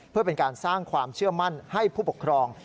เพื่อเป็นการสร้างความเชื่อมั่นให้ผู้ปกครอง